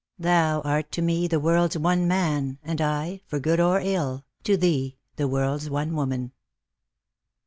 Thou art to me the world's one man, and I, For good or ill, to thee the world's one woman."